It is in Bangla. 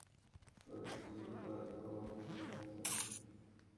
ম্যাচের বাকি সময়টি নেইমার-মেসি সুয়ারেজকে গোল করানোর প্রবল চেষ্টা করেও ব্যর্থ হলেন।